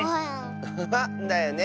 アハハだよね。